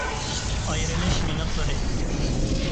ئايرىلىش مىنۇتلىرى